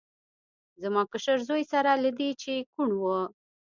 زما کشر زوی سره له دې چې کوڼ و.